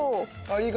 「いい！」